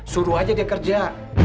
suruh aja dia kerja